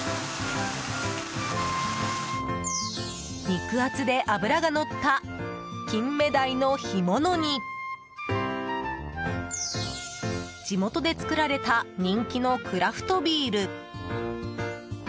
肉厚で脂がのったキンメダイの干物に地元で作られた人気のクラフトビール。